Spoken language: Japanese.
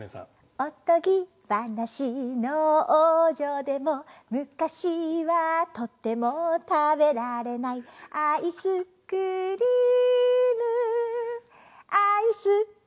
「おとぎばなしのおうじょでもむかしはとてもたべられない」「アイスクリームアイスクリーム」